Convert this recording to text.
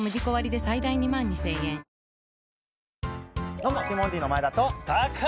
どうもティモンディの前田と。